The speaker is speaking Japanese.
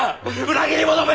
裏切り者め！